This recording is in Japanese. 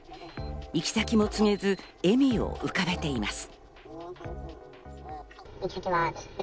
行き先も告げず、笑みを浮かべています。